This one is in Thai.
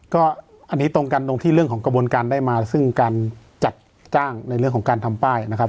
ก็อันนี้ตรงกันตรงที่เรื่องของกระบวนการได้มาซึ่งการจัดจ้างในเรื่องของการทำป้ายนะครับ